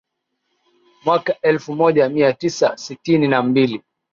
mwaka elfu moja mia tisa sitini na mbili